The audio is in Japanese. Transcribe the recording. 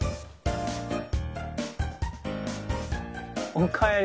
おかえり。